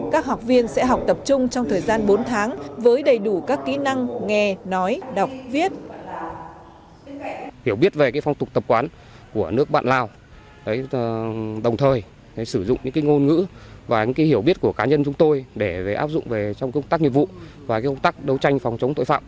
các học viên sẽ học tập trung trong thời gian bốn tháng với đầy đủ các kỹ năng nghe nói đọc viết